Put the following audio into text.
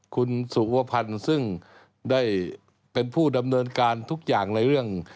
คุณสุวพันธ์ซึ่งได้เป็นผู้ดำเนินการทุกอย่างในเรื่อง